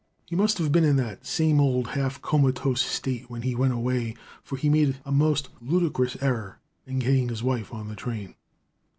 He must have been in that same old half comatose state when he went away, for he made a most ludicrous error in getting his wife in the train.